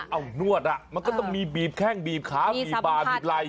เอานวดอ่ะมันก็ต้องมีบีบแข้งบีบขาบีบบ่าบีบไหล่